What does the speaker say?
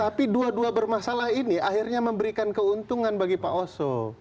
tapi dua dua bermasalah ini akhirnya memberikan keuntungan bagi pak oso